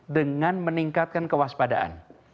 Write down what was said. dengan meningkatkan kewaspadaan